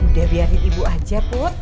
udah biarin ibu aja put